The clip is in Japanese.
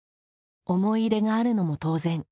思い入れがあるのも当然。